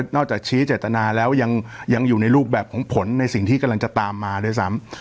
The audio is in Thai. จากชี้เจตนาแล้วยังอยู่ในรูปแบบของผลในสิ่งที่กำลังจะตามมาด้วยซ้ำ